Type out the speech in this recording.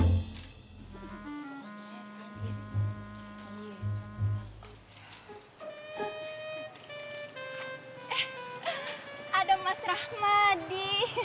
eh ada mas rahmadi